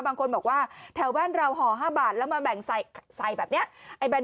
บางคนบอกว่าแถวบ้านเราห่อ๕บาทแล้วมาแบ่งใส่แบบนี้